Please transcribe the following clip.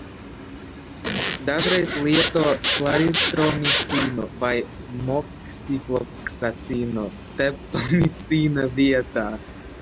Dažreiz lieto klaritromicīnu vai moksifloksacīnu streptomicīna vietā.